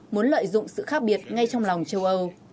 muốn lợi dụng sự khác biệt ngay trong lòng châu âu